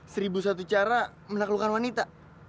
seribu satu cara menaklukkan wanita